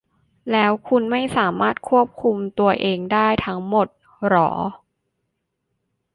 แล้วคุณไม่สามารถควบคุมตัวเองได้ทั้งหมดหรอ ?